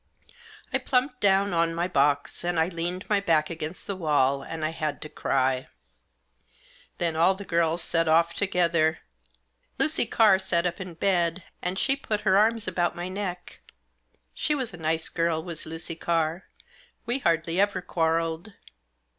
I plumped down on my box, and I leaned my back against the wall, and I had to cry. Then all the girls set off together. Lucy Carr sat up in bed, and she put her arm9 about my neck ; she was a nice girl, was Lucy Cafr, we hardly ever quarrelled.